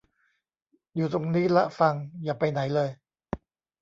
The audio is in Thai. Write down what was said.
อยู่ตรงนี้ล่ะฟัง อย่าไปไหนเลย